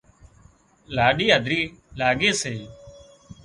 لُاڏِي هڌري لاڳي سي